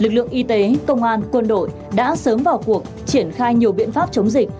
lực lượng y tế công an quân đội đã sớm vào cuộc triển khai nhiều biện pháp chống dịch